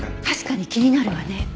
確かに気になるわね。